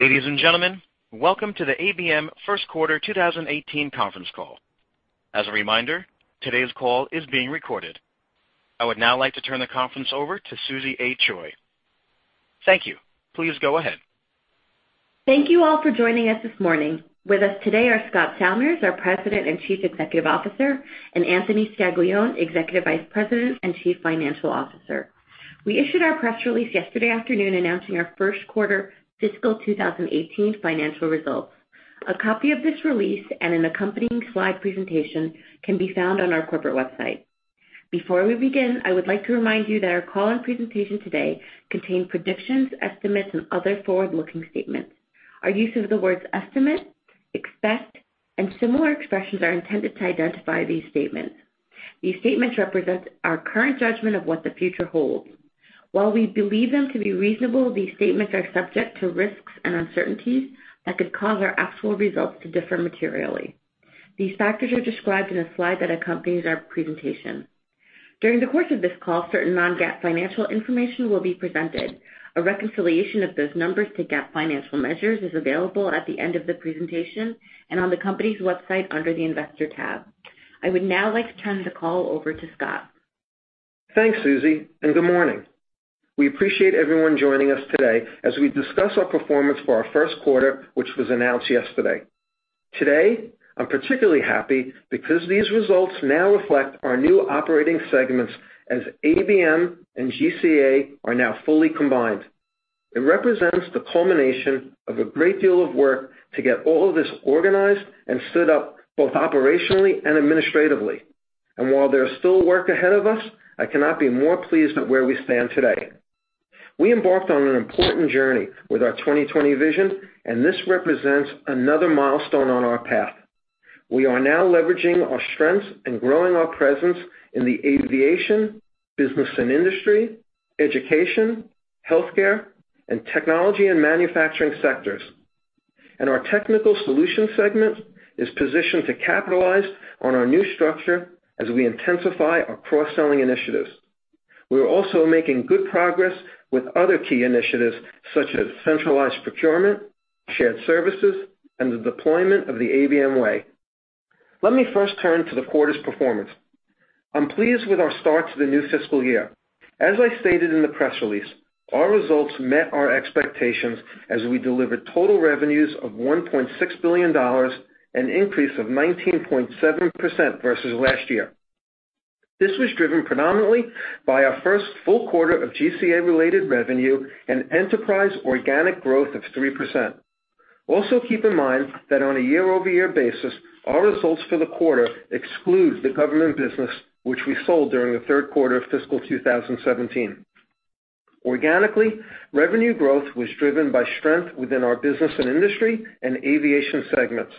Ladies and gentlemen, welcome to the ABM first quarter 2018 conference call. As a reminder, today's call is being recorded. I would now like to turn the conference over to Susie A. Choi. Thank you all for joining us this morning. With us today are Scott Salmirs, our President and Chief Executive Officer, and Anthony Scaglione, Executive Vice President and Chief Financial Officer. We issued our press release yesterday afternoon announcing our first quarter fiscal 2018 financial results. A copy of this release and an accompanying slide presentation can be found on our corporate website. Before we begin, I would like to remind you that our call and presentation today contain predictions, estimates, and other forward-looking statements. Our use of the words estimate, expect, and similar expressions are intended to identify these statements. These statements represent our current judgment of what the future holds. While we believe them to be reasonable, these statements are subject to risks and uncertainties that could cause our actual results to differ materially. These factors are described in a slide that accompanies our presentation. During the course of this call, certain non-GAAP financial information will be presented. A reconciliation of those numbers to GAAP financial measures is available at the end of the presentation and on the company's website under the Investor tab. I would now like to turn the call over to Scott. Thanks, Susie, and good morning. We appreciate everyone joining us today as we discuss our performance for our first quarter, which was announced yesterday. Today, I'm particularly happy because these results now reflect our new operating segments as ABM and GCA are now fully combined. It represents the culmination of a great deal of work to get all of this organized and stood up both operationally and administratively. While there is still work ahead of us, I cannot be more pleased at where we stand today. We embarked on an important journey with our 2020 Vision, and this represents another milestone on our path. We are now leveraging our strengths and growing our presence in the Aviation, Business and Industry, Education, Healthcare, and Technology & Manufacturing sectors. Our Technical Solutions segment is positioned to capitalize on our new structure as we intensify our cross-selling initiatives. We are also making good progress with other key initiatives, such as centralized procurement, shared services, and the deployment of The ABM Way. Let me first turn to the quarter's performance. I'm pleased with our start to the new fiscal year. As I stated in the press release, our results met our expectations as we delivered total revenues of $1.6 billion, an increase of 19.7% versus last year. This was driven predominantly by our first full quarter of GCA-related revenue and enterprise organic growth of 3%. Also, keep in mind that on a year-over-year basis, our results for the quarter exclude the government business, which we sold during the third quarter of fiscal 2017. Organically, revenue growth was driven by strength within our Business and Industry and Aviation segments.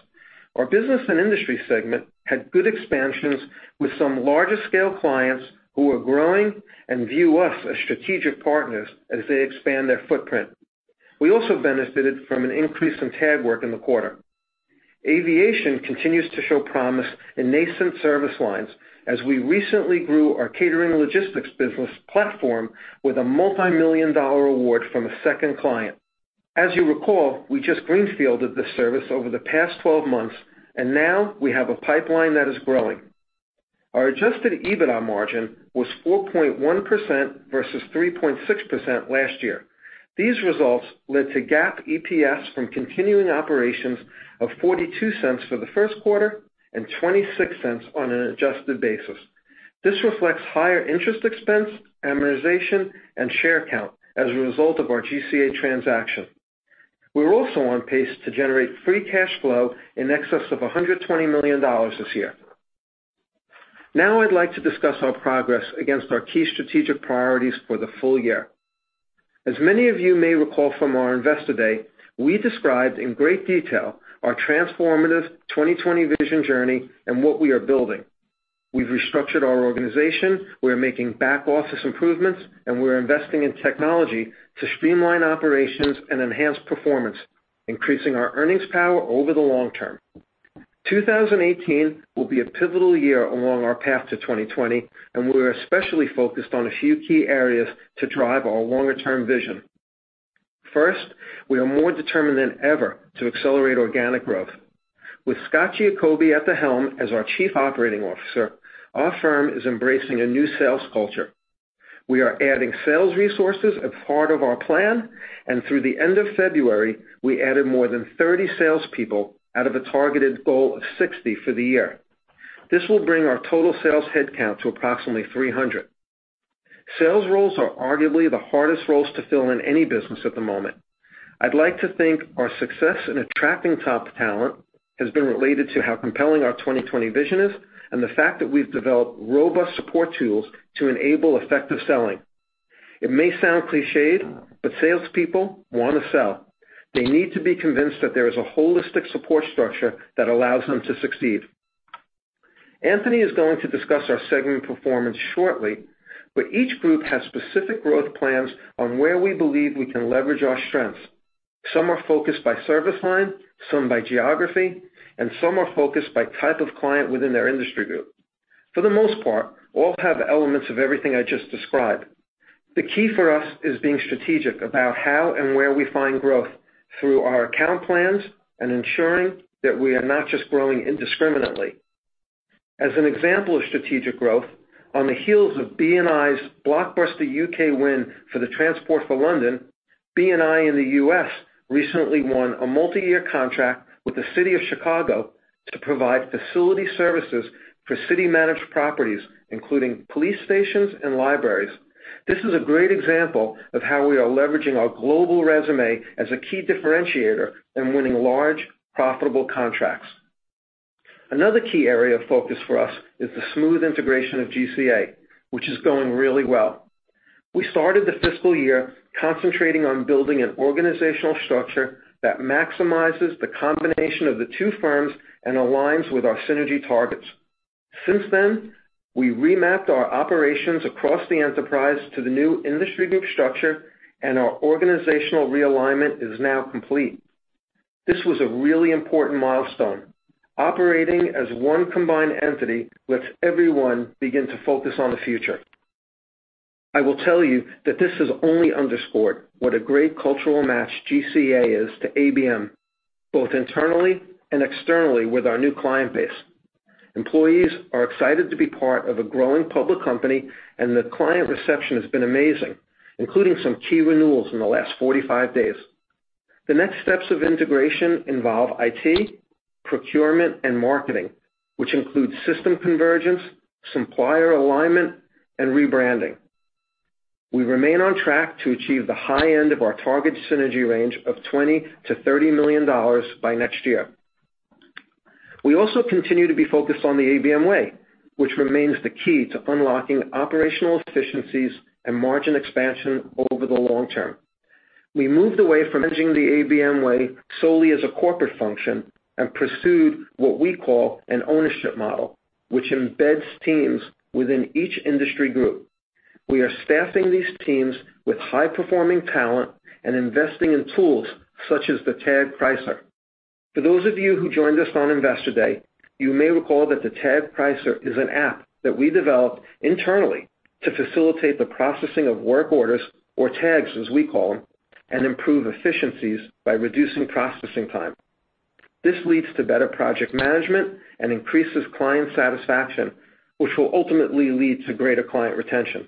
Our Business and Industry segment had good expansions with some larger scale clients who are growing and view us as strategic partners as they expand their footprint. We also benefited from an increase in tag work in the quarter. Aviation continues to show promise in nascent service lines as we recently grew our catering logistics business platform with a multimillion-dollar award from a second client. As you recall, we just greenfielded this service over the past 12 months, and now we have a pipeline that is growing. Our adjusted EBITDA margin was 4.1% versus 3.6% last year. These results led to GAAP EPS from continuing operations of $0.42 for the first quarter and $0.26 on an adjusted basis. This reflects higher interest expense, amortization, and share count as a result of our GCA transaction. We're also on pace to generate free cash flow in excess of $120 million this year. I'd like to discuss our progress against our key strategic priorities for the full year. As many of you may recall from our Investor Day, we described in great detail our transformative 2020 Vision journey and what we are building. We've restructured our organization, we are making back-office improvements, and we're investing in technology to streamline operations and enhance performance, increasing our earnings power over the long term. 2018 will be a pivotal year along our path to 2020, we're especially focused on a few key areas to drive our longer-term vision. First, we are more determined than ever to accelerate organic growth. With Scott Giacobbe at the helm as our Chief Operating Officer, our firm is embracing a new sales culture. We are adding sales resources as part of our plan, through the end of February, we added more than 30 salespeople out of a targeted goal of 60 for the year. This will bring our total sales headcount to approximately 300. Sales roles are arguably the hardest roles to fill in any business at the moment. I'd like to think our success in attracting top talent has been related to how compelling our 2020 Vision is and the fact that we've developed robust support tools to enable effective selling. It may sound clichéd, salespeople want to sell. They need to be convinced that there is a holistic support structure that allows them to succeed. Anthony is going to discuss our segment performance shortly, each group has specific growth plans on where we believe we can leverage our strengths. Some are focused by service line, some by geography, and some are focused by type of client within their industry group. For the most part, all have elements of everything I just described. The key for us is being strategic about how and where we find growth through our account plans and ensuring that we are not just growing indiscriminately. As an example of strategic growth, on the heels of B&I's blockbuster U.K. win for the Transport for London, B&I in the U.S. recently won a multi-year contract with the City of Chicago to provide facility services for city-managed properties, including police stations and libraries. This is a great example of how we are leveraging our global resume as a key differentiator and winning large, profitable contracts. Another key area of focus for us is the smooth integration of GCA, which is going really well. We started the fiscal year concentrating on building an organizational structure that maximizes the combination of the two firms and aligns with our synergy targets. Since then, we remapped our operations across the enterprise to the new industry group structure, and our organizational realignment is now complete. This was a really important milestone. Operating as one combined entity lets everyone begin to focus on the future. I will tell you that this has only underscored what a great cultural match GCA is to ABM, both internally and externally with our new client base. Employees are excited to be part of a growing public company, and the client reception has been amazing, including some key renewals in the last 45 days. The next steps of integration involve IT, procurement, and marketing, which include system convergence, supplier alignment, and rebranding. We remain on track to achieve the high end of our target synergy range of $20 million-$30 million by next year. We also continue to be focused on The ABM Way, which remains the key to unlocking operational efficiencies and margin expansion over the long term. We moved away from managing The ABM Way solely as a corporate function and pursued what we call an ownership model, which embeds teams within each industry group. We are staffing these teams with high-performing talent and investing in tools such as the Tag Pricer. For those of you who joined us on Investor Day, you may recall that the Tag Pricer is an app that we developed internally to facilitate the processing of work orders, or tags, as we call them, and improve efficiencies by reducing processing time. This leads to better project management and increases client satisfaction, which will ultimately lead to greater client retention.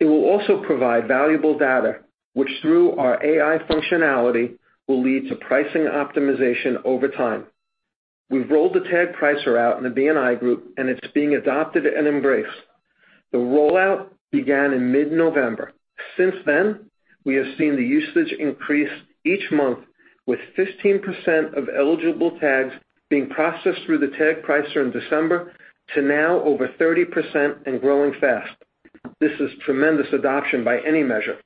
It will also provide valuable data, which through our AI functionality, will lead to pricing optimization over time. We've rolled the Tag Pricer out in the B&I Group, and it's being adopted and embraced. The rollout began in mid-November. Since then, we have seen the usage increase each month, with 15% of eligible tags being processed through the Tag Pricer in December to now over 30% and growing fast. This is tremendous adoption by any measure.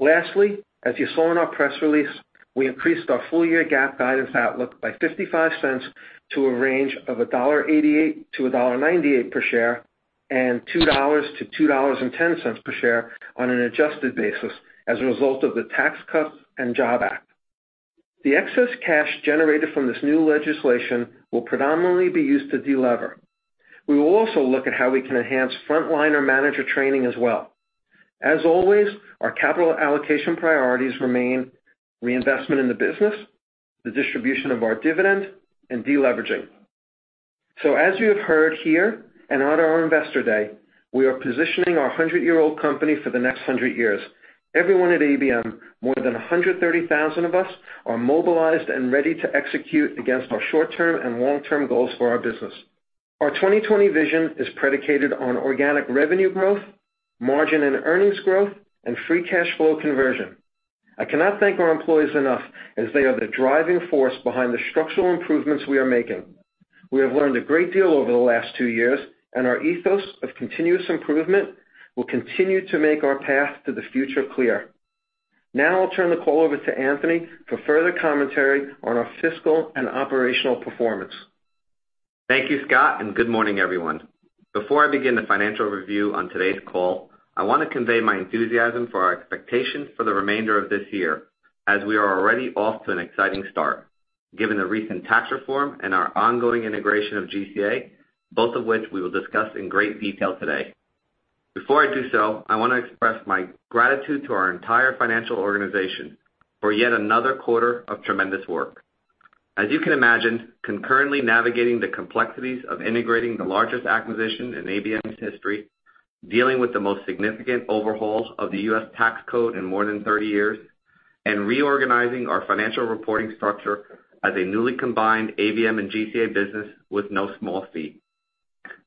Lastly, as you saw in our press release, we increased our full-year GAAP guidance outlook by $0.55 to a range of $1.88-$1.98 per share and $2.00-$2.10 per share on an adjusted basis as a result of the Tax Cuts and Jobs Act. The excess cash generated from this new legislation will predominantly be used to de-lever. We will also look at how we can enhance frontline or manager training as well. As always, our capital allocation priorities remain reinvestment in the business, the distribution of our dividend, and de-leveraging. As you have heard here and on our Investor Day, we are positioning our 100-year-old company for the next 100 years. Everyone at ABM, more than 130,000 of us, are mobilized and ready to execute against our short-term and long-term goals for our business. Our 2020 Vision is predicated on organic revenue growth, margin and earnings growth, and free cash flow conversion. I cannot thank our employees enough, as they are the driving force behind the structural improvements we are making. We have learned a great deal over the last two years, and our ethos of continuous improvement will continue to make our path to the future clear. I'll turn the call over to Anthony for further commentary on our fiscal and operational performance. Thank you, Scott, and good morning, everyone. Before I begin the financial review on today's call, I want to convey my enthusiasm for our expectations for the remainder of this year, as we are already off to an exciting start, given the recent Tax Reform and our ongoing integration of GCA, both of which we will discuss in great detail today. Before I do so, I want to express my gratitude to our entire financial organization for yet another quarter of tremendous work. As you can imagine, concurrently navigating the complexities of integrating the largest acquisition in ABM's history, dealing with the most significant overhauls of the U.S. tax code in more than 30 years, and reorganizing our financial reporting structure as a newly combined ABM and GCA business was no small feat.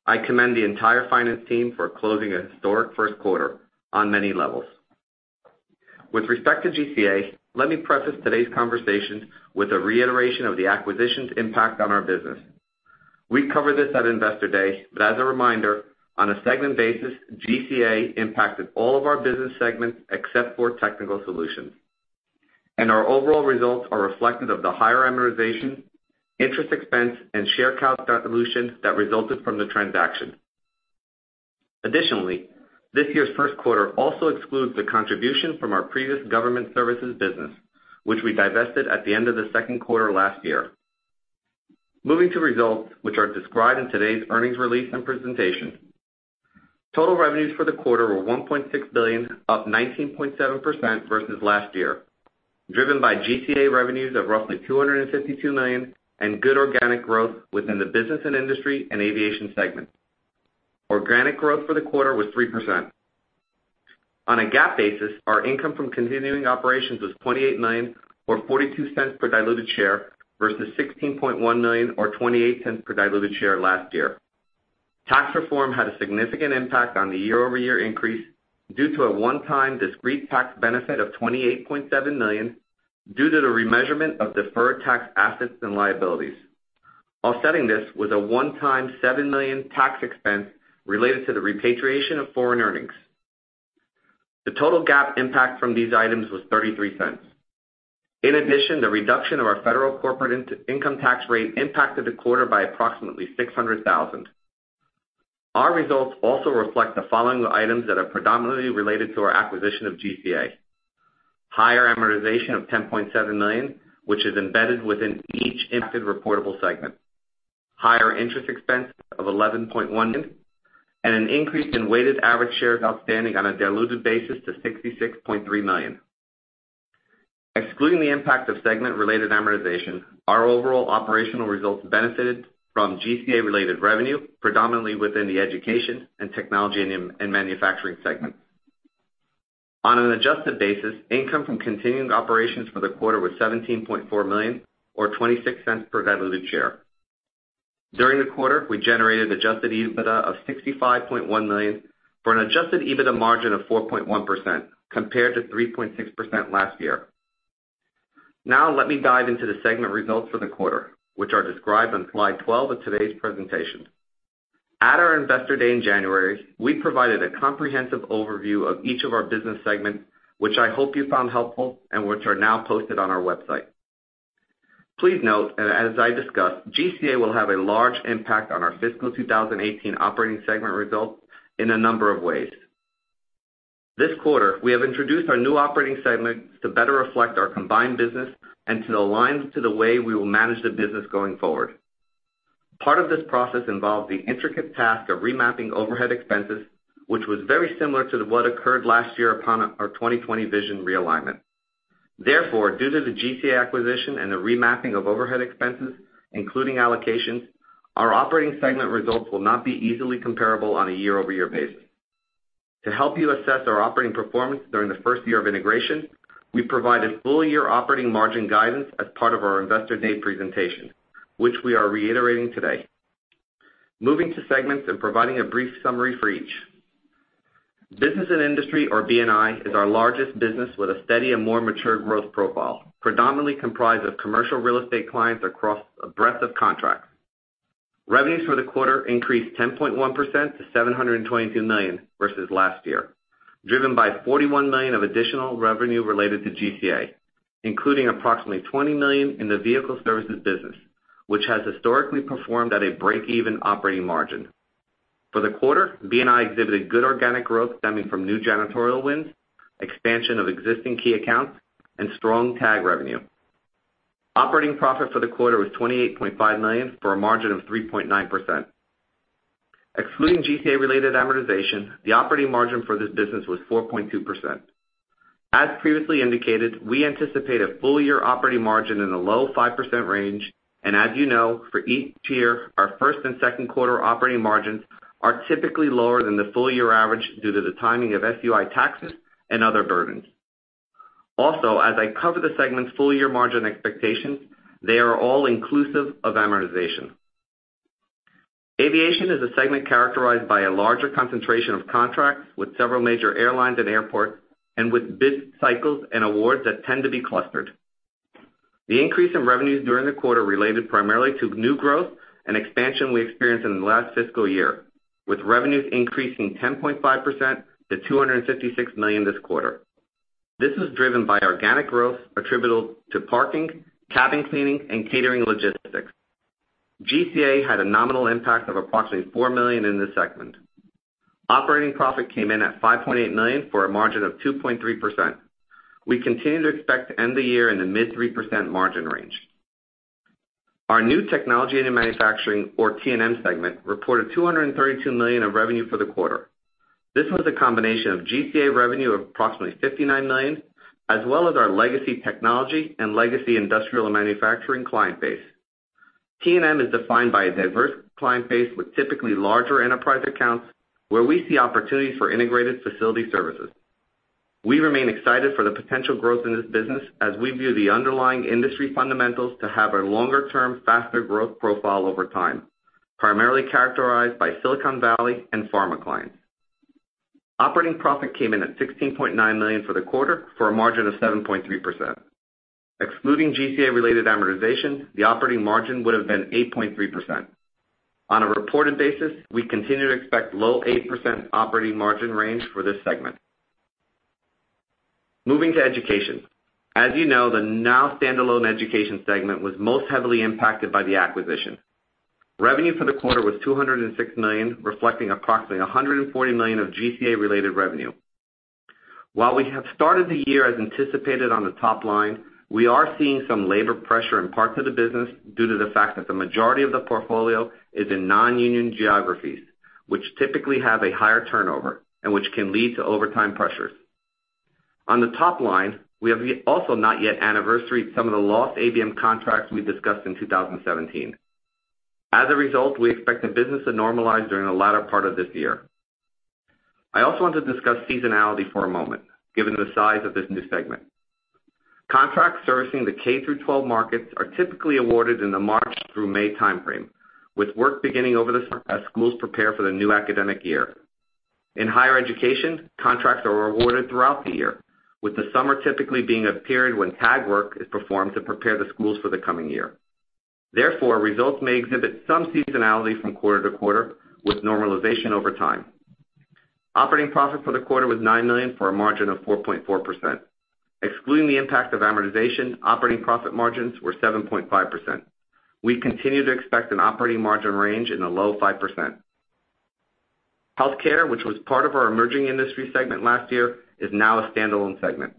I commend the entire finance team for closing a historic first quarter on many levels. With respect to GCA, let me preface today's conversation with a reiteration of the acquisition's impact on our business. We covered this at Investor Day, but as a reminder, on a segment basis, GCA impacted all of our business segments except for Technical Solutions. Our overall results are reflective of the higher amortization, interest expense, and share count solutions that resulted from the transaction. Additionally, this year's first quarter also excludes the contribution from our previous government services business, which we divested at the end of the second quarter last year. Moving to results, which are described in today's earnings release and presentation. Total revenues for the quarter were $1.6 billion, up 19.7% versus last year, driven by GCA revenues of roughly $252 million and good organic growth within the Business and Industry and Aviation segment. Organic growth for the quarter was 3%. On a GAAP basis, our income from continuing operations was $28 million, or $0.42 per diluted share, versus $16.1 million or $0.28 per diluted share last year. Tax Reform had a significant impact on the year-over-year increase due to a one-time discrete tax benefit of $28.7 million due to the remeasurement of deferred tax assets and liabilities. Offsetting this was a one-time $7 million tax expense related to the repatriation of foreign earnings. The total GAAP impact from these items was $0.33. In addition, the reduction of our federal corporate income tax rate impacted the quarter by approximately $600,000. Our results also reflect the following items that are predominantly related to our acquisition of GCA. Higher amortization of $10.7 million, which is embedded within each impacted reportable segment, higher interest expense of $11.1 million, and an increase in weighted average shares outstanding on a diluted basis to 66.3 million. Excluding the impact of segment-related amortization, our overall operational results benefited from GCA-related revenue, predominantly within the Education and Technology & Manufacturing segment. On an adjusted basis, income from continuing operations for the quarter was $17.4 million or $0.26 per diluted share. During the quarter, we generated adjusted EBITDA of $65.1 million, for an adjusted EBITDA margin of 4.1% compared to 3.6% last year. Let me dive into the segment results for the quarter, which are described on slide 12 of today's presentation. At our Investor Day in January, we provided a comprehensive overview of each of our business segments, which I hope you found helpful and which are now posted on our website. Please note that as I discussed, GCA will have a large impact on our fiscal 2018 operating segment results in a number of ways. This quarter, we have introduced our new operating segments to better reflect our combined business and to align to the way we will manage the business going forward. Part of this process involved the intricate task of remapping overhead expenses, which was very similar to what occurred last year upon our 2020 Vision realignment. Due to the GCA acquisition and the remapping of overhead expenses, including allocations, our operating segment results will not be easily comparable on a year-over-year basis. To help you assess our operating performance during the first year of integration, we provided full-year operating margin guidance as part of our Investor Day presentation, which we are reiterating today. Moving to segments and providing a brief summary for each. Business and Industry, or B&I, is our largest business with a steady and more mature growth profile, predominantly comprised of commercial real estate clients across a breadth of contracts. Revenues for the quarter increased 10.1% to $722 million versus last year, driven by $41 million of additional revenue related to GCA, including approximately $20 million in the vehicle services business, which has historically performed at a break-even operating margin. For the quarter, B&I exhibited good organic growth stemming from new janitorial wins, expansion of existing key accounts, and strong tag revenue. Operating profit for the quarter was $28.5 million for a margin of 3.9%. Excluding GCA-related amortization, the operating margin for this business was 4.2%. As previously indicated, we anticipate a full-year operating margin in the low 5% range, and as you know, for each year, our first and second quarter operating margins are typically lower than the full-year average due to the timing of SUI taxes and other burdens. Also, as I cover the segment's full-year margin expectations, they are all inclusive of amortization. Aviation is a segment characterized by a larger concentration of contracts with several major airlines and airports, and with bid cycles and awards that tend to be clustered. The increase in revenues during the quarter related primarily to new growth and expansion we experienced in the last fiscal year, with revenues increasing 10.5% to $256 million this quarter. This was driven by organic growth attributable to parking, cabin cleaning, and catering logistics. GCA had a nominal impact of approximately $4 million in this segment. Operating profit came in at $5.8 million for a margin of 2.3%. We continue to expect to end the year in the mid 3% margin range. Our new Technology & Manufacturing, or T&M segment, reported $232 million of revenue for the quarter. This was a combination of GCA revenue of approximately $59 million, as well as our legacy technology and legacy industrial and manufacturing client base. T&M is defined by a diverse client base with typically larger enterprise accounts where we see opportunities for integrated facility services. We remain excited for the potential growth in this business as we view the underlying industry fundamentals to have a longer-term, faster growth profile over time, primarily characterized by Silicon Valley and pharma clients. Operating profit came in at $16.9 million for the quarter for a margin of 7.3%. Excluding GCA-related amortization, the operating margin would have been 8.3%. On a reported basis, we continue to expect low 8% operating margin range for this segment. Moving to Education. As you know, the now standalone Education segment was most heavily impacted by the acquisition. Revenue for the quarter was $206 million, reflecting approximately $140 million of GCA-related revenue. While we have started the year as anticipated on the top line, we are seeing some labor pressure in parts of the business due to the fact that the majority of the portfolio is in non-union geographies, which typically have a higher turnover and which can lead to overtime pressures. On the top line, we have also not yet anniversaried some of the lost ABM contracts we discussed in 2017. As a result, we expect the business to normalize during the latter part of this year. I also want to discuss seasonality for a moment, given the size of this new segment. Contract servicing the K through 12 markets are typically awarded in the March through May timeframe, with work beginning over the summer as schools prepare for the new academic year. In higher education, contracts are awarded throughout the year, with the summer typically being a period when tag work is performed to prepare the schools for the coming year. Therefore, results may exhibit some seasonality from quarter to quarter, with normalization over time. Operating profit for the quarter was $9 million for a margin of 4.4%. Excluding the impact of amortization, operating profit margins were 7.5%. We continue to expect an operating margin range in the low 5%. Healthcare, which was part of our emerging industry segment last year, is now a standalone segment.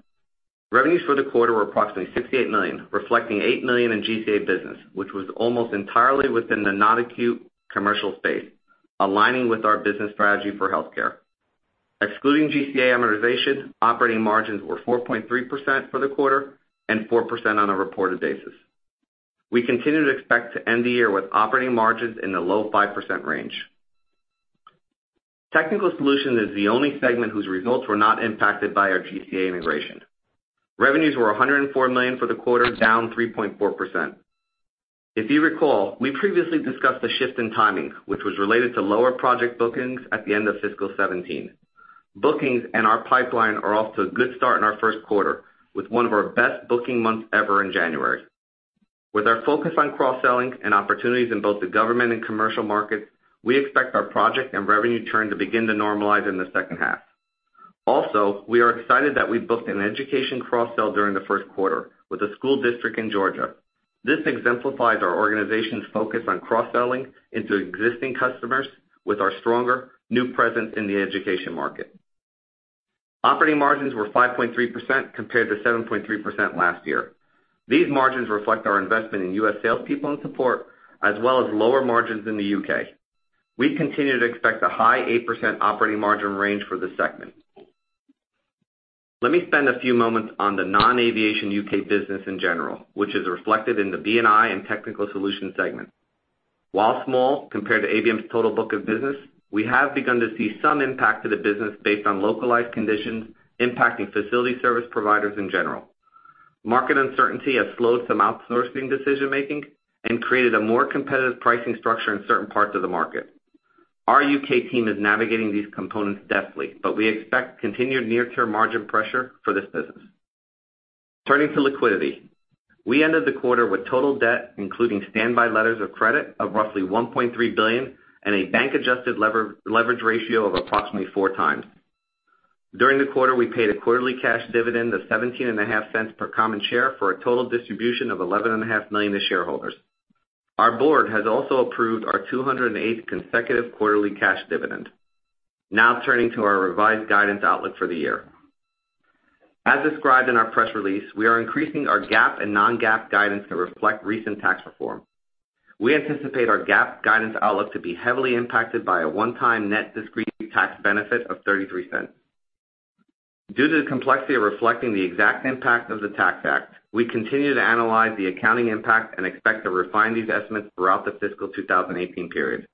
Revenues for the quarter were approximately $68 million, reflecting $8 million in GCA business, which was almost entirely within the non-acute commercial space, aligning with our business strategy for Healthcare. Excluding GCA amortization, operating margins were 4.3% for the quarter and 4% on a reported basis. We continue to expect to end the year with operating margins in the low 5% range. Technical Solutions is the only segment whose results were not impacted by our GCA integration. Revenues were $104 million for the quarter, down 3.4%. If you recall, we previously discussed the shift in timing, which was related to lower project bookings at the end of fiscal 2017. Bookings and our pipeline are off to a good start in our first quarter, with one of our best booking months ever in January. With our focus on cross-selling and opportunities in both the government and commercial markets, we expect our project and revenue turn to begin to normalize in the second half. Also, we are excited that we booked an Education cross-sell during the first quarter with a school district in Georgia. This exemplifies our organization's focus on cross-selling into existing customers with our stronger new presence in the Education market. Operating margins were 5.3% compared to 7.3% last year. These margins reflect our investment in U.S. salespeople and support, as well as lower margins in the U.K. We continue to expect a high 8% operating margin range for the segment. Let me spend a few moments on the non-Aviation U.K. business in general, which is reflected in the B&I and Technical Solutions segment. While small compared to ABM's total book of business, we have begun to see some impact to the business based on localized conditions impacting facility service providers in general. Market uncertainty has slowed some outsourcing decision-making and created a more competitive pricing structure in certain parts of the market. Our U.K. team is navigating these components deftly, we expect continued near-term margin pressure for this business. Turning to liquidity. We ended the quarter with total debt, including standby letters of credit, of roughly $1.3 billion and a bank-adjusted leverage ratio of approximately four times. During the quarter, we paid a quarterly cash dividend of $0.175 per common share for a total distribution of $11.5 million to shareholders. Our board has also approved our 208th consecutive quarterly cash dividend. Turning to our revised guidance outlook for the year. As described in our press release, we are increasing our GAAP and non-GAAP guidance to reflect recent Tax Reform. We anticipate our GAAP guidance outlook to be heavily impacted by a one-time net discrete tax benefit of $0.33. Due to the complexity of reflecting the exact impact of the Tax Act, we continue to analyze the accounting impact and expect to refine these estimates throughout the fiscal 2018 period.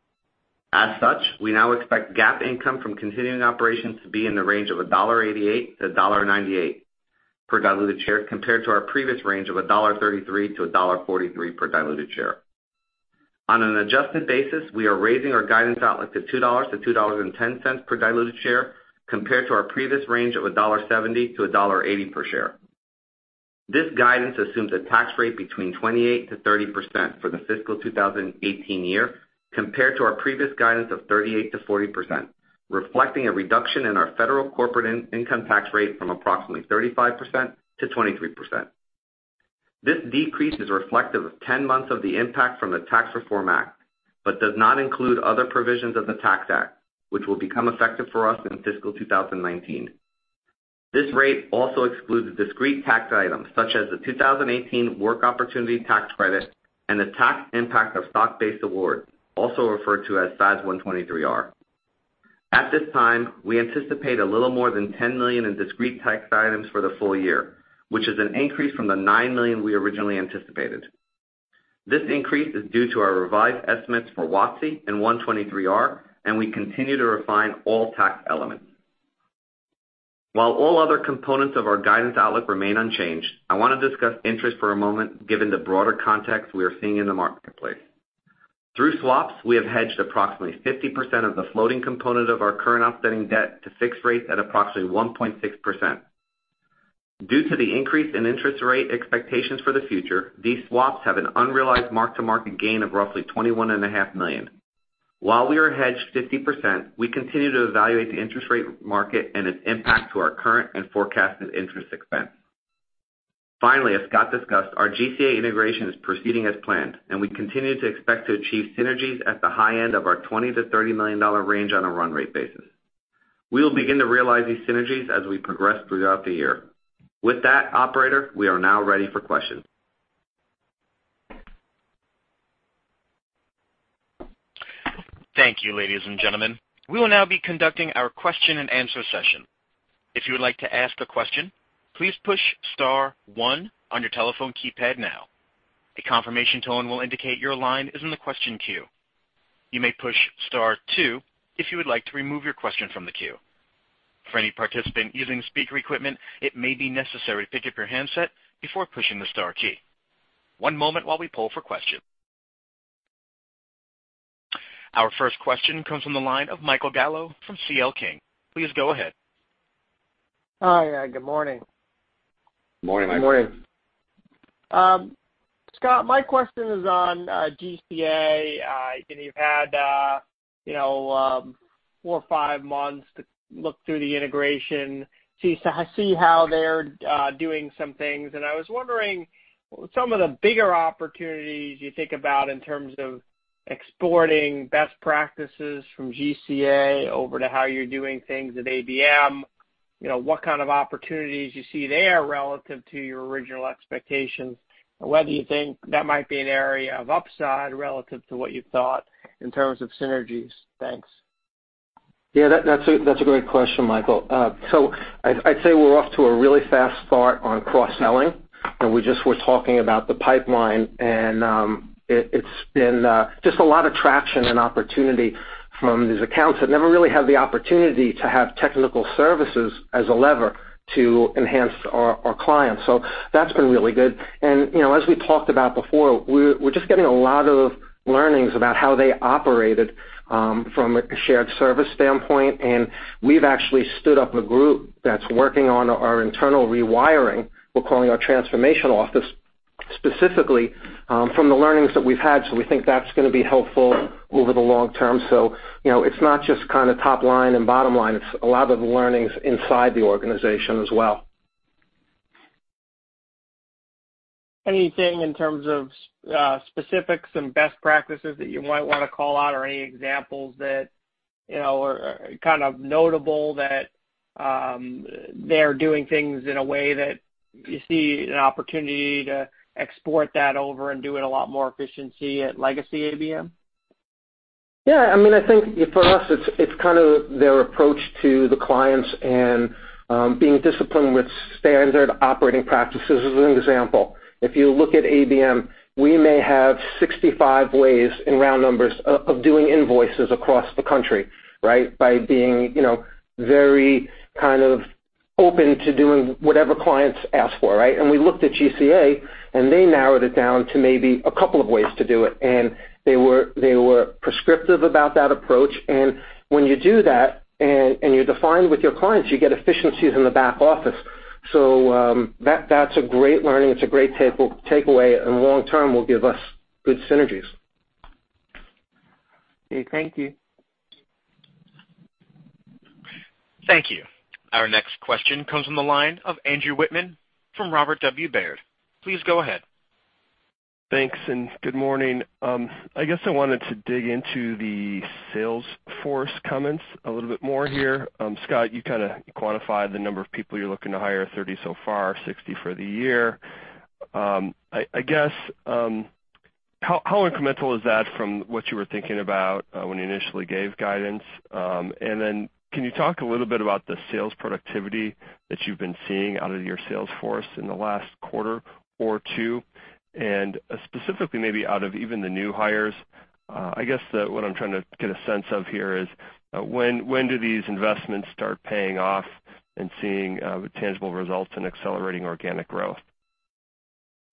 We now expect GAAP income from continuing operations to be in the range of $1.88-$1.98 per diluted share, compared to our previous range of $1.33-$1.43 per diluted share. On an adjusted basis, we are raising our guidance outlook to $2.00-$2.10 per diluted share compared to our previous range of $1.70-$1.80 per share. This guidance assumes a tax rate between 28%-30% for the fiscal 2018 year, compared to our previous guidance of 38%-40%, reflecting a reduction in our federal corporate income tax rate from approximately 35%-23%. This decrease is reflective of 10 months of the impact from the Tax Reform Act, but does not include other provisions of the Tax Act, which will become effective for us in fiscal 2019. This rate also excludes discrete tax items such as the 2018 Work Opportunity Tax Credit and the tax impact of stock-based awards, also referred to as FAS 123R. At this time, we anticipate a little more than $10 million in discrete tax items for the full year, which is an increase from the $9 million we originally anticipated. This increase is due to our revised estimates for WOTC and 123R, we continue to refine all tax elements. While all other components of our guidance outlook remain unchanged, I want to discuss interest for a moment, given the broader context we are seeing in the marketplace. Through swaps, we have hedged approximately 50% of the floating component of our current outstanding debt to fixed rate at approximately 1.6%. Due to the increase in interest rate expectations for the future, these swaps have an unrealized mark-to-market gain of roughly $21.5 million. While we are hedged 50%, we continue to evaluate the interest rate market and its impact to our current and forecasted interest expense. Finally, as Scott discussed, our GCA integration is proceeding as planned, and we continue to expect to achieve synergies at the high end of our $20 million-$30 million range on a run rate basis. We will begin to realize these synergies as we progress throughout the year. With that, operator, we are now ready for questions. Thank you, ladies and gentlemen. We will now be conducting our question and answer session. If you would like to ask a question, please push star one on your telephone keypad now. A confirmation tone will indicate your line is in the question queue. You may push star two if you would like to remove your question from the queue. For any participant using speaker equipment, it may be necessary to pick up your handset before pushing the star key. One moment while we poll for questions. Our first question comes from the line of Michael Gallo from C.L. King. Please go ahead. Hi, good morning. Morning, Michael. Morning. Scott, my question is on GCA. You've had four or five months to look through the integration, see how they're doing some things. I was wondering some of the bigger opportunities you think about in terms of exporting best practices from GCA over to how you're doing things at ABM, what kind of opportunities you see there relative to your original expectations, and whether you think that might be an area of upside relative to what you thought in terms of synergies. Thanks. Yeah, that's a great question, Michael. I'd say we're off to a really fast start on cross-selling, and we just were talking about the pipeline, and it's been just a lot of traction and opportunity from these accounts that never really had the opportunity to have technical services as a lever to enhance our clients. That's been really good. As we talked about before, we're just getting a lot of learnings about how they operated from a shared service standpoint, and we've actually stood up a group that's working on our internal rewiring, we're calling our transformation office, specifically from the learnings that we've had. We think that's going to be helpful over the long term. It's not just kind of top line and bottom line. It's a lot of the learnings inside the organization as well. Anything in terms of specifics and best practices that you might want to call out or any examples that are kind of notable that they're doing things in a way that you see an opportunity to export that over and do it a lot more efficiency at Legacy ABM? I think for us, it's kind of their approach to the clients and being disciplined with standard operating practices. As an example, if you look at ABM, we may have 65 ways, in round numbers, of doing invoices across the country. By being very kind of open to doing whatever clients ask for. We looked at GCA, and they narrowed it down to maybe a couple of ways to do it, and they were prescriptive about that approach, and when you do that, and you're defined with your clients, you get efficiencies in the back office. That's a great learning. It's a great takeaway, and long term will give us good synergies. Okay, thank you. Thank you. Our next question comes from the line of Andrew Wittmann from Robert W. Baird. Please go ahead. Thanks, good morning. I guess I wanted to dig into the sales force comments a little bit more here. Scott, you kind of quantified the number of people you're looking to hire, 30 so far, 60 for the year. I guess, how incremental is that from what you were thinking about when you initially gave guidance? Then can you talk a little bit about the sales productivity that you've been seeing out of your sales force in the last quarter or two, and specifically maybe out of even the new hires? I guess what I'm trying to get a sense of here is when do these investments start paying off and seeing tangible results in accelerating organic growth?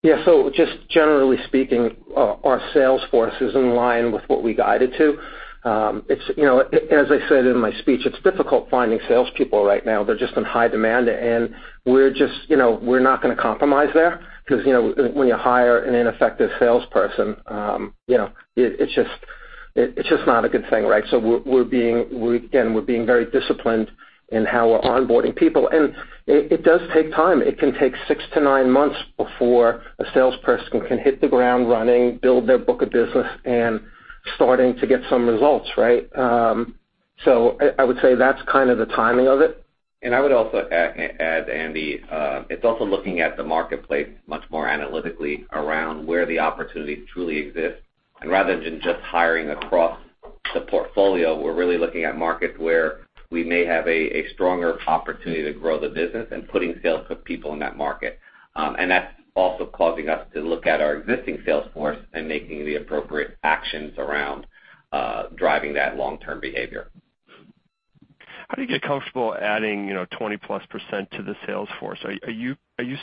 Just generally speaking, our sales force is in line with what we guided to. As I said in my speech, it's difficult finding salespeople right now. They're just in high demand, and we're not going to compromise there because when you hire an ineffective salesperson, it's just not a good thing. Again, we're being very disciplined in how we're onboarding people. It does take time. It can take six to nine months before a salesperson can hit the ground running, build their book of business, and starting to get some results. I would say that's kind of the timing of it. I would also add, Andy, it's also looking at the marketplace much more analytically around where the opportunities truly exist. Rather than just hiring across the portfolio, we're really looking at markets where we may have a stronger opportunity to grow the business and putting salespeople in that market. That's also causing us to look at our existing sales force and making the appropriate actions around driving that long-term behavior. How do you get comfortable adding 20%+ to the sales force? Are you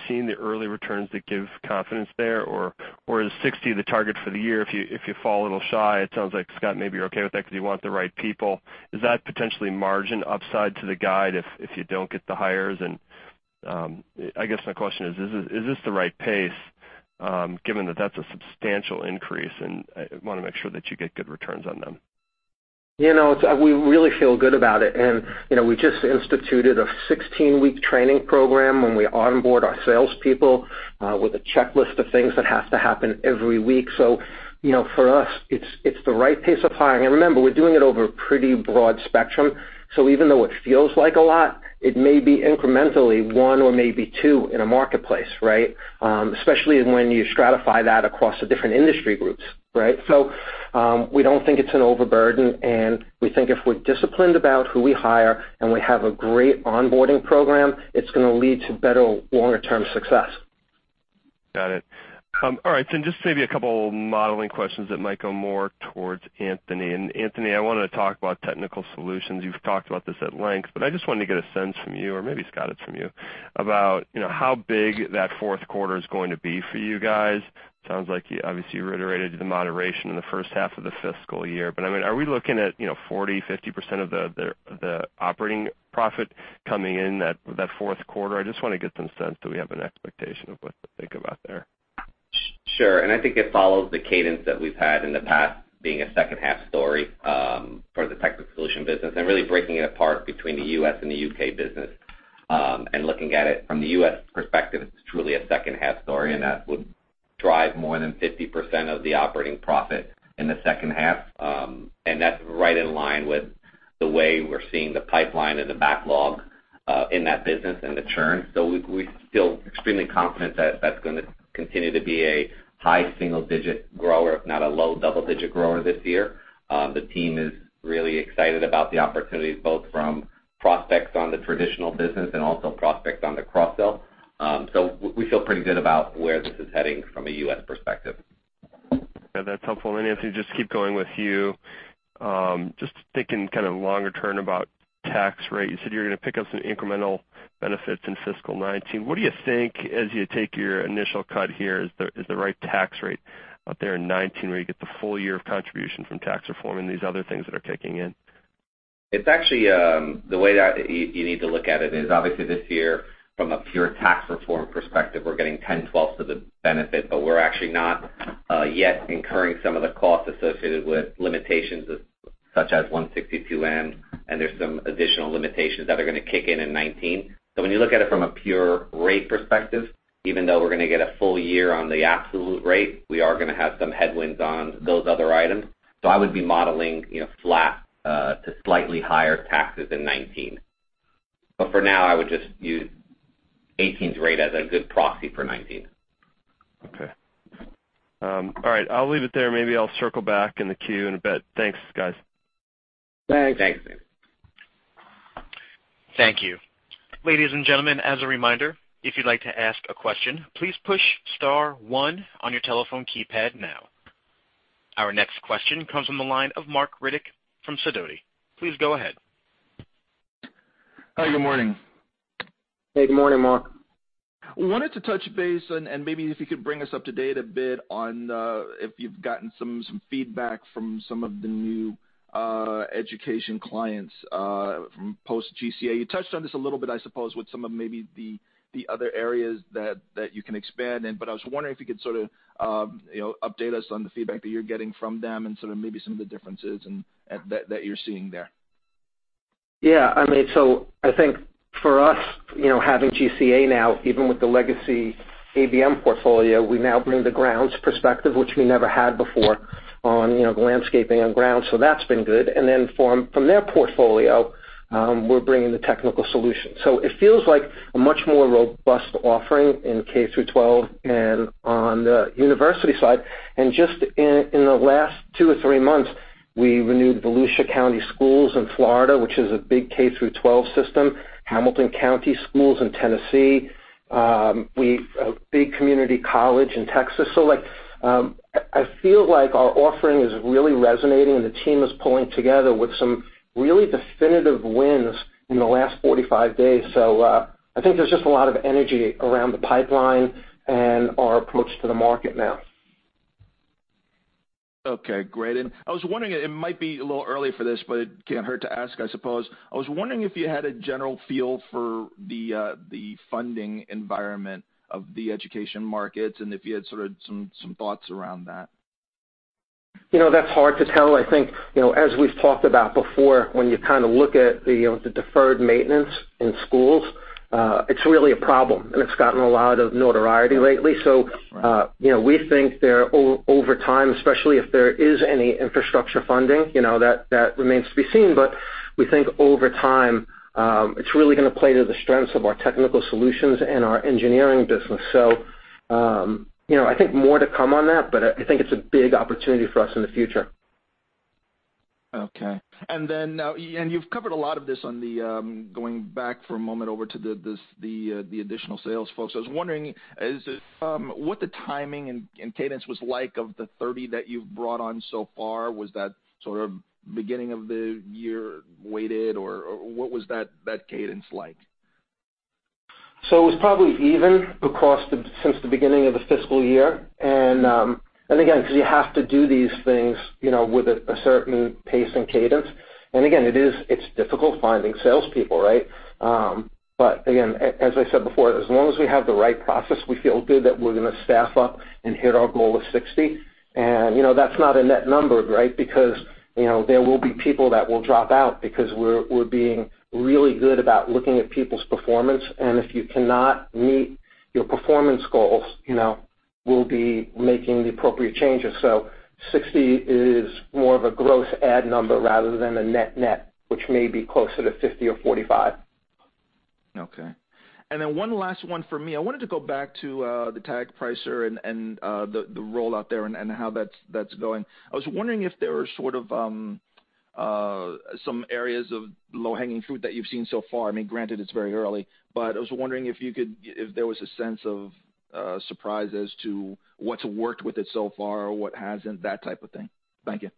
seeing the early returns that give confidence there, or is 60 the target for the year? If you fall a little shy, it sounds like Scott may be okay with that because you want the right people. Is that potentially margin upside to the guide if you don't get the hires? I guess my question is this the right pace given that's a substantial increase and want to make sure that you get good returns on them? We really feel good about it. We just instituted a 16-week training program when we onboard our salespeople with a checklist of things that have to happen every week. For us, it's the right pace of hiring. Remember, we're doing it over a pretty broad spectrum. Even though it feels like a lot, it may be incrementally one or maybe two in a marketplace, right? Especially when you stratify that across the different industry groups, right? We don't think it's an overburden, and we think if we're disciplined about who we hire and we have a great onboarding program, it's going to lead to better longer-term success. Got it. All right, just maybe a couple modeling questions that might go more towards Anthony. Anthony, I wanted to talk about Technical Solutions. You've talked about this at length, but I just wanted to get a sense from you or maybe Scott it's from you about how big that fourth quarter is going to be for you guys. Sounds like you obviously reiterated the moderation in the first half of the fiscal year, are we looking at 40%, 50% of the operating profit coming in that fourth quarter? I just want to get some sense that we have an expectation of what to think about there. Sure. I think it follows the cadence that we've had in the past being a second half story for the Technical Solutions business and really breaking it apart between the U.S. and the U.K. business. Looking at it from the U.S. perspective, it's truly a second half story, and that would drive more than 50% of the operating profit in the second half. That's right in line with the way we're seeing the pipeline and the backlog in that business and the churn. We're still extremely confident that that's going to continue to be a high single-digit grower, if not a low double-digit grower this year. The team is really excited about the opportunities both from prospects on the traditional business and also prospects on the cross-sell. We feel pretty good about where this is heading from a U.S. perspective. Yeah, that's helpful. Anthony, just keep going with you. Just thinking kind of longer term about tax rate, you said you're going to pick up some incremental benefits in FY 2019. What do you think as you take your initial cut here, is the right tax rate out there in 2019, where you get the full year of contribution from Tax Reform Act and these other things that are kicking in? It's actually, the way that you need to look at it is obviously this year from a pure Tax Reform Act perspective, we're getting 10/12 of the benefit, but we're actually not yet incurring some of the costs associated with limitations such as 162(m), and there's some additional limitations that are going to kick in in 2019. When you look at it from a pure rate perspective, even though we're going to get a full year on the absolute rate, we are going to have some headwinds on those other items. I would be modeling flat to slightly higher taxes in 2019. For now, I would just use 2018's rate as a good proxy for 2019. Okay. All right. I'll leave it there. Maybe I'll circle back in the queue in a bit. Thanks, guys. Thanks. Thanks. Thank you. Ladies and gentlemen, as a reminder, if you'd like to ask a question, please push star one on your telephone keypad now. Our next question comes from the line of Marc Riddick from Sidoti. Please go ahead. Hi, good morning. Hey, good morning, Marc. I wanted to touch base and maybe if you could bring us up to date a bit on if you've gotten some feedback from some of the new Education clients from post GCA. You touched on this a little bit, I suppose, with some of maybe the other areas that you can expand in, but I was wondering if you could sort of update us on the feedback that you're getting from them and sort of maybe some of the differences that you're seeing there. Yeah. I think for us, having GCA now, even with the legacy ABM portfolio, we now bring the grounds perspective, which we never had before on the landscaping and grounds. That's been good. From their portfolio, we're bringing the Technical Solutions. It feels like a much more robust offering in K through 12 and on the university side. Just in the last two or three months, we renewed Volusia County Schools in Florida, which is a big K through 12 system, Hamilton County Schools in Tennessee, a big community college in Texas. I feel like our offering is really resonating and the team is pulling together with some really definitive wins in the last 45 days. I think there's just a lot of energy around the pipeline and our approach to the market now. Okay, great. I was wondering, it might be a little early for this, but it can't hurt to ask, I suppose. I was wondering if you had a general feel for the funding environment of the Education markets and if you had sort of some thoughts around that. That's hard to tell. I think, as we've talked about before, when you kind of look at the deferred maintenance in schools, it's really a problem, and it's gotten a lot of notoriety lately. We think that over time, especially if there is any infrastructure funding, that remains to be seen, but we think over time, it's really going to play to the strengths of our Technical Solutions and our engineering business. I think more to come on that, but I think it's a big opportunity for us in the future. Okay. You've covered a lot of this on going back for a moment over to the additional sales folks. I was wondering what the timing and cadence was like of the 30 that you've brought on so far. Was that sort of beginning of the year weighted, or what was that cadence like? It was probably even since the beginning of the fiscal year. Again, because you have to do these things with a certain pace and cadence. Again, it's difficult finding salespeople. Again, as I said before, as long as we have the right process, we feel good that we're going to staff up and hit our goal of 60. That's not a net number, because there will be people that will drop out because we're being really good about looking at people's performance, and if you cannot meet your performance goals, we'll be making the appropriate changes. 60 is more of a gross add number rather than a net net, which may be closer to 50 or 45. Okay. One last one from me. I wanted to go back to the Tag Pricer and the rollout there and how that's going. I was wondering if there were sort of some areas of low-hanging fruit that you've seen so far. I mean, granted, it's very early, but I was wondering if there was a sense of surprise as to what's worked with it so far or what hasn't, that type of thing. Thank you.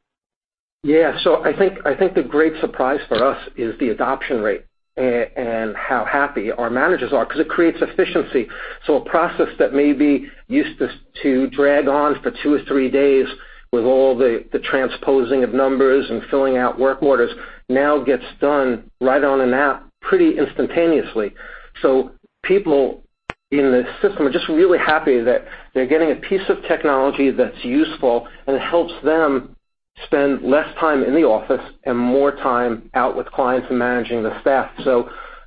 Yeah. I think the great surprise for us is the adoption rate and how happy our managers are, because it creates efficiency. A process that maybe used to drag on for two or three days with all the transposing of numbers and filling out work orders now gets done right on an app pretty instantaneously. People in the system are just really happy that they're getting a piece of technology that's useful and helps them spend less time in the office and more time out with clients and managing the staff.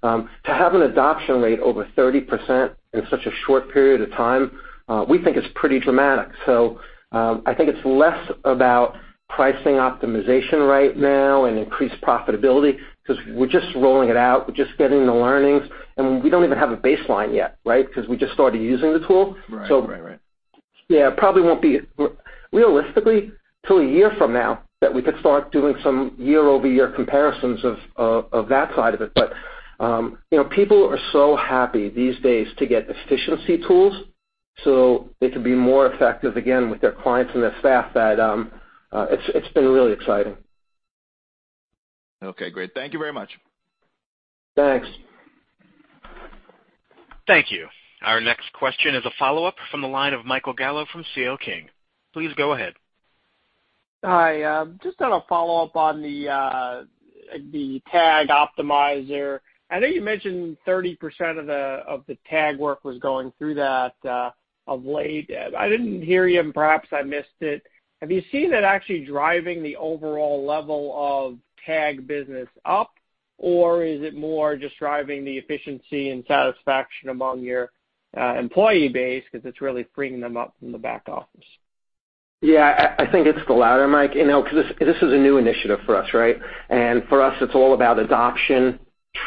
To have an adoption rate over 30% in such a short period of time, we think is pretty dramatic. I think it's less about pricing optimization right now and increased profitability, because we're just rolling it out. We're just getting the learnings, and we don't even have a baseline yet, because we just started using the tool. Right. Yeah, it probably won't be, realistically, till a year from now that we could start doing some year-over-year comparisons of that side of it. People are so happy these days to get efficiency tools so they can be more effective, again, with their clients and their staff, that it's been really exciting. Okay, great. Thank you very much. Thanks. Thank you. Our next question is a follow-up from the line of Michael Gallo from C.L. King. Please go ahead. Hi. Just on a follow-up on the Tag Pricer. I know you mentioned 30% of the tag work was going through that of late. I didn't hear you, and perhaps I missed it. Have you seen it actually driving the overall level of tag business up, or is it more just driving the efficiency and satisfaction among your employee base because it's really freeing them up from the back office? Yeah, I think it's the latter, Mike, because this is a new initiative for us. For us, it's all about adoption,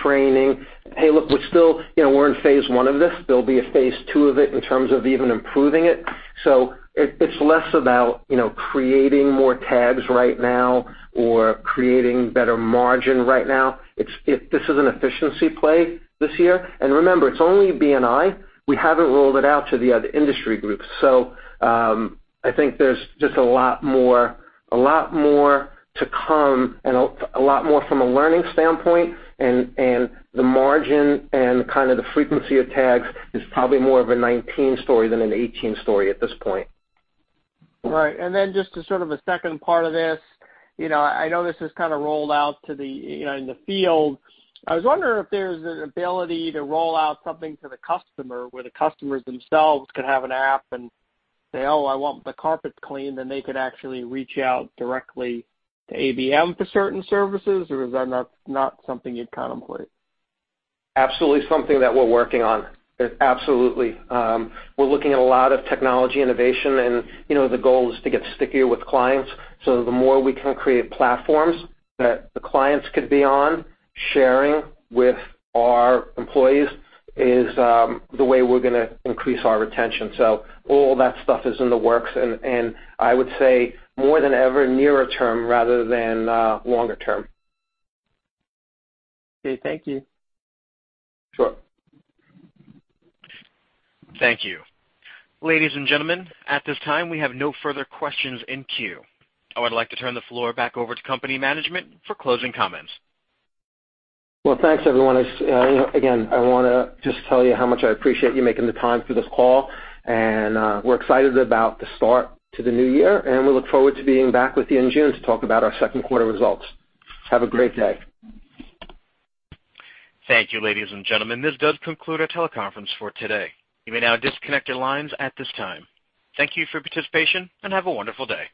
training. Hey, look, we're in phase 1 of this. There'll be a phase 2 of it in terms of even improving it. It's less about creating more tags right now or creating better margin right now. This is an efficiency play this year. Remember, it's only B&I. We haven't rolled it out to the other industry groups. I think there's just a lot more to come and a lot more from a learning standpoint, and the margin and kind of the frequency of tags is probably more of a 2019 story than a 2018 story at this point. Right. Just as sort of a second part of this, I know this is kind of rolled out in the field. I was wondering if there's an ability to roll out something to the customer where the customers themselves could have an app and say, "Oh, I want the carpets cleaned," and they could actually reach out directly to ABM for certain services, or is that not something you'd contemplate? Absolutely something that we're working on. Absolutely. We're looking at a lot of technology innovation, the goal is to get stickier with clients. The more we can create platforms that the clients could be on, sharing with our employees is the way we're going to increase our retention. All that stuff is in the works, and I would say more than ever nearer term rather than longer term. Okay. Thank you. Sure. Thank you. Ladies and gentlemen, at this time, we have no further questions in queue. I would like to turn the floor back over to company management for closing comments. Well, thanks, everyone. Again, I want to just tell you how much I appreciate you making the time for this call, and we're excited about the start to the new year, and we look forward to being back with you in June to talk about our second quarter results. Have a great day. Thank you, ladies and gentlemen. This does conclude our teleconference for today. You may now disconnect your lines at this time. Thank you for your participation, and have a wonderful day.